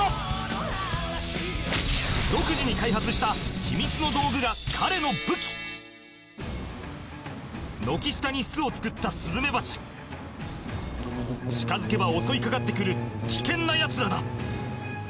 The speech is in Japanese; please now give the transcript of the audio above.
独自に開発した秘密の道具が彼の武器軒下に巣を作ったスズメバチ近づけば襲い掛かって来る危険なやつらだ